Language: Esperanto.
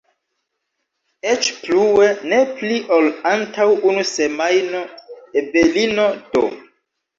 Eĉ plue, ne pli ol antaŭ unu semajno Evelino D.